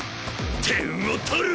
点を取る！